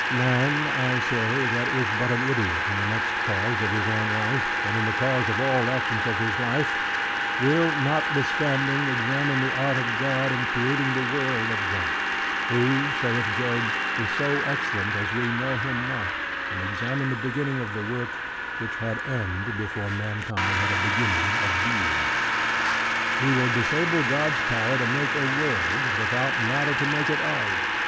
Man, I say, that is but an idiot in the next cause of his own life, and in the cause of all actions of his life, will (notwithstanding) examine the art of God in creating the world; of God, who (saith Job) "is so excellent as we know him not"; and examine the beginning of the work, which had end before mankind had a beginning of being. He will disable God's power to make a world, without matter to make it of.